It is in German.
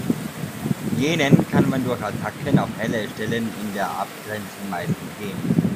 Jenen kann man durch Attacken auf helle Stellen in der Abgrenzung meist entgehen.